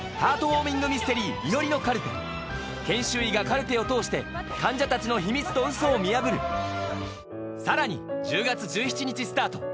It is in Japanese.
ウォーミング・ミステリー研修医がカルテを通して患者たちの秘密と嘘を見破るさらに１０月１７日スタートＺＩＰ！